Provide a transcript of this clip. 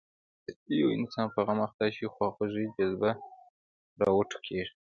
یو انسان په غم اخته شي خواخوږۍ جذبه راوټوکېږي.